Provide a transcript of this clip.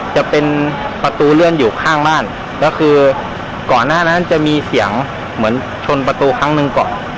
จะเป็นประตูเลื่อนอยู่ข้างบ้านแล้วคือก่อนหน้านั้นจะมีเสียงเหมือนชนประตูครั้งหนึ่งก่อน